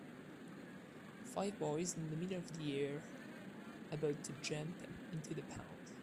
Five boys in the middle of the air about to jump into the pond.